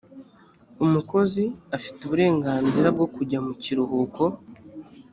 umukozi afite uburenganzira bwo kujya mu mucyiruhuko.